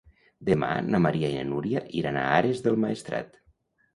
Demà na Maria i na Núria iran a Ares del Maestrat.